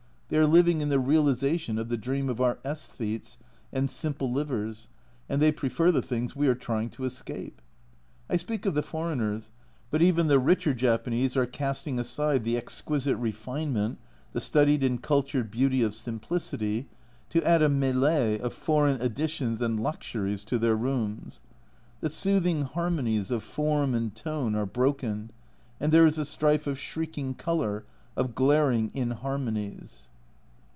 They are living in the realisation of the dream of our aesthetes and " simple livers," and they prefer the things we are trying to escape. I speak of the foreigners, but even the richer Japanese are cast ing aside the exquisite refinement, the studied and cultured beauty of simplicity, to add a melee of "foreign" additions and " luxuries" to their rooms. The soothing harmonies of form and tone are broken, and there is a strife of shrieking colour, of glaring inharmonies.